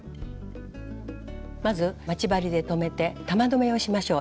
まず待ち針で留めて玉留めをしましょう。